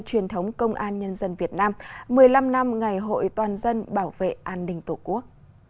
truyền thống công an nhân dân việt nam một mươi năm năm ngày hội toàn dân bảo vệ an ninh tổ quốc